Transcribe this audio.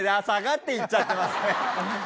下がっていっちゃってますね。